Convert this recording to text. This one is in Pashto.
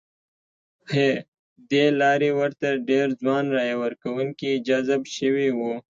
ه دې لارې ورته ډېر ځوان رایه ورکوونکي جذب شوي وو.